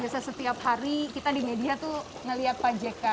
biasanya setiap hari kita di media tuh ngelihat pak jk